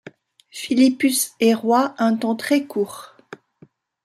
Philippus est roi un temps très court.